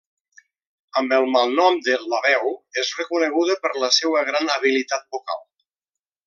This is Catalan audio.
Amb el malnom de La Veu, és reconeguda per la seua gran habilitat vocal.